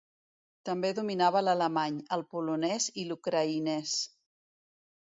També dominava l'alemany, el polonès i l'ucraïnès.